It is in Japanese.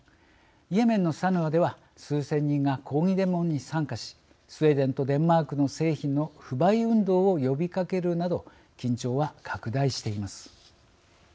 イエメンのサヌアでは数千人が抗議デモに参加しスウェーデンとデンマークの製品の不買運動を呼びかけるなど緊張は拡大しています。